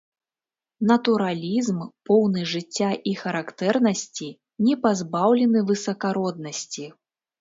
Натуралізм, поўны жыцця і характэрнасці, не пазбаўлены высакароднасці.